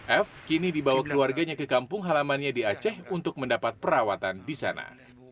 f kini dibawa keluarganya ke kampung halamannya di aceh untuk mendapat perawatan di sana